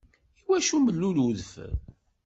Iwacu mellul udfel?